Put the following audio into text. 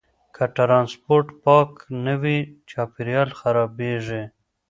که ټرانسپورټ پاک نه وي، چاپیریال خرابېږي.